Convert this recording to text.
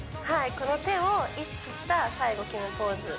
この手を意識した最後決めポーズ